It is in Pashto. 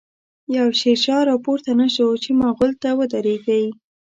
يو” شير شاه “راپورته نه شو، چی ” مغل” ته ودريږی